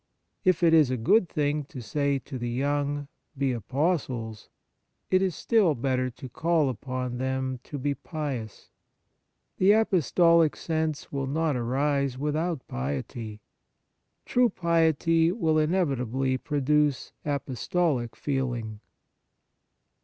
If it is a good thing to say to the young, " Be apostles," it is still better to call upon them to be pious. The apostolic sense will not arise without piety : true piety will inevitably produce apostolic feeling.